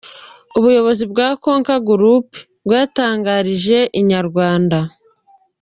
Ubuyobozi bwa Konka Group bwatangarije Inyarwanda.